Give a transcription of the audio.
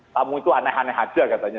tamu itu aneh aneh aja katanya